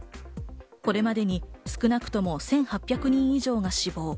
これまでに少なくとも１８００人以上が死亡。